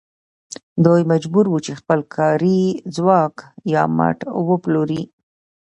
دوی مجبور وو چې خپل کاري ځواک یا مټ وپلوري